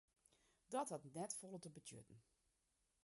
Dat hat net folle te betsjutten.